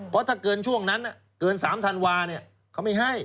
เพราะถ้าเกินช่วงนั้นเกิน๓ธันวาเขาไม่ให้